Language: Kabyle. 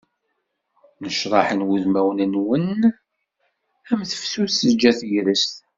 Necraḥen wudmawen-nwen, am tefsut teǧǧa tegrest.